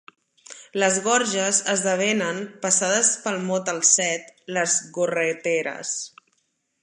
"Les gorges" esdevenen, passades pel mot al set, "Les gorreteres".